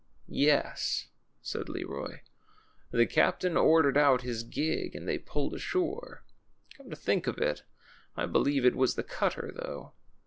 Yes," said Leroy; ^Hhe captain ordered out his gig and they pulled ashore. Come to think of it, I believe it was the cutter, though.